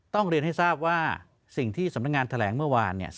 ต้องเรียนให้ทราบส่วนที่สำนักงานแถลงเมื่อวาน